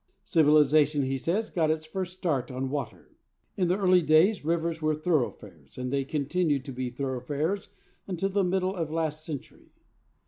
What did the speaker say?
Civilization, he says, got its first start on water. 'In the early days rivers were thoroughfares, and they continued to be thoroughfares until the middle of last century.